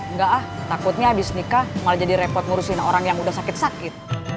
enggak ah takutnya abis nikah malah jadi repot ngurusin orang yang udah sakit sakit